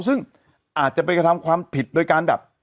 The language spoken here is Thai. ซึ่งอาจจะไปกระทำความผิดโดยการแบบ